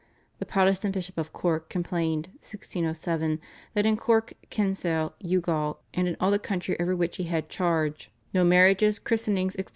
The Protestant Bishop of Cork complained (1607) that in Cork, Kinsale, Youghal, and in all the country over which he had charge no marriages, christenings, etc.